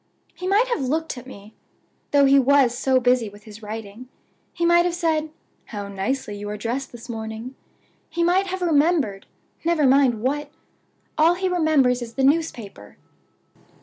"He might have looked at me, though he was so busy with his writing. He might have said, 'How nicely you are dressed this morning!' He might have remembered never mind what! All he remembers is the newspaper."